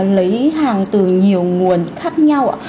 lấy hàng từ nhiều nguồn khác nhau